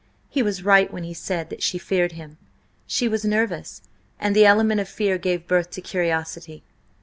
He was right when he said that she feared him; she was nervous, and the element of fear gave birth to curiosity.